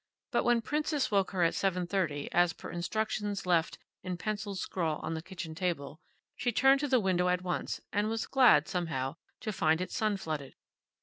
But when Princess woke her at seven thirty, as per instructions left in penciled scrawl on the kitchen table, she turned to the window at once, and was glad, somehow, to find it sun flooded.